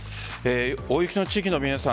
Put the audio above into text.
大雪の地域の皆さん